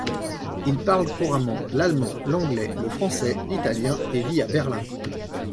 Il parle couramment l'allemand, l'anglais, le français, l'italien et vit à Berlin.